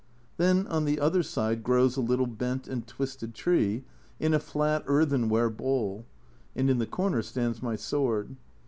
Then on the other side grows a little bent and twisted tree, in a flat earthenware bowl, and in the corner stands my sword.